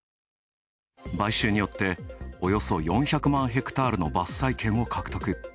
買収によって、およそ４００万ヘクタールの伐採権を獲得。